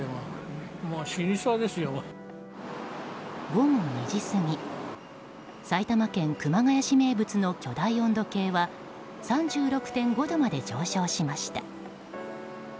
午後２時過ぎ埼玉県熊谷市名物の巨大温度計は３６．５度まで上昇しました。